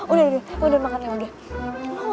udah udah udah makan aja